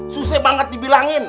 susah banget dibilangin